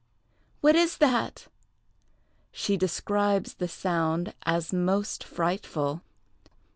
What is that?" She describes the sound as most frightful.